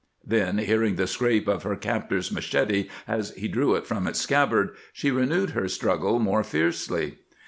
Then, hearing the scrape of her captor's machete as he drew it from its scabbard, she renewed her struggle more fiercely.